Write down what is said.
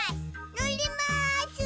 のります！